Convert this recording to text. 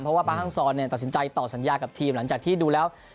เพราะว่าป๊าฮังซอนตัดสินใจต่อสัญญากับทีมหลังจากที่ดูแล้ว